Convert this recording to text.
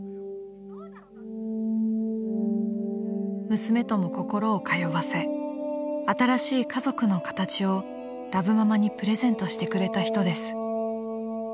［娘とも心を通わせ新しい家族の形をラブママにプレゼントしてくれた人です］